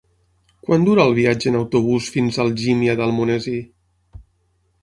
Quant dura el viatge en autobús fins a Algímia d'Almonesir?